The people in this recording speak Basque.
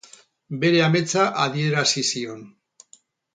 Bere ametsa adierazi zion.